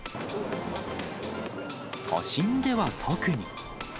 都心では特に。